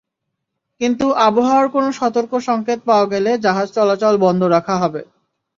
কিন্তু আবহাওয়ার কোনো সতর্ক সংকেত পাওয়া গেলে জাহাজ চলাচল বন্ধ রাখা হবে।